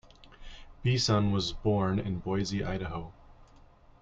Beeson was born in Boise, Idaho.